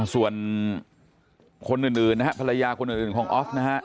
ส่วนคนอื่นนะฮะภรรยาคนอื่นของออฟนะฮะ